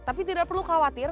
tapi tidak perlu khawatir